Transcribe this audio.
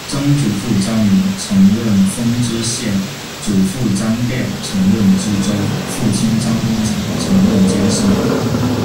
曾祖父张铭，曾任封知县；祖父张汴，曾任知州；父亲张公材，曾任监生。